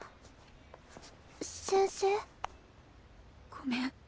ごめん。